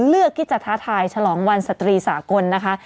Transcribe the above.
เลือกที่จะท้าทายฉลองวันสตรีสากลนะคะ